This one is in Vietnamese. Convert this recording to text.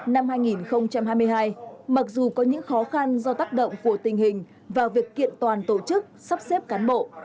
năm hai nghìn hai mươi hai mặc dù có những khó khăn do tác động của tình hình và việc kiện toàn tổ chức sắp xếp cán bộ